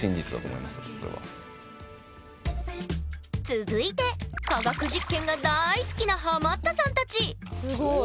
続いて科学実験が大好きなハマったさんたちすごい。